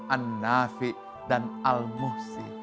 an nafi dan al muhsi